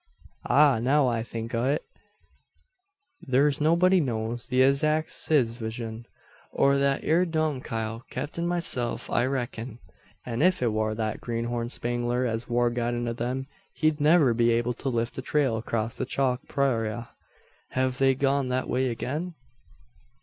Ah! now I think o't, thur's nobody knows the adzack sittavashun o' that ere domycile 'ceptin' myself I reckon: an if it war that greenhorn Spangler as war guidin' o' them he'd niver be able to lift a trail acrost the chalk purayra. Hev they gone that way agin?"